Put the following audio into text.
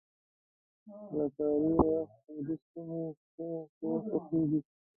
له کاري وخت وروسته مې څه کول خوښيږي؟